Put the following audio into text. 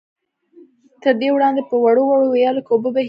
تر دې وړاندې په وړو وړو ويالو کې اوبه بهېدې.